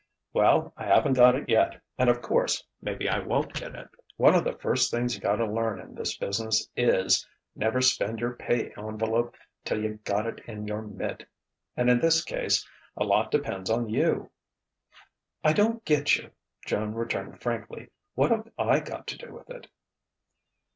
"Well, I haven't got it yet; and of course, maybe I won't get it. One of the first things you gotta learn in this business is, never spend your pay envelope till you got it in your mitt. And in this case, a lot depends on you." "I don't get you," Joan returned frankly. "What've I got to do with it?"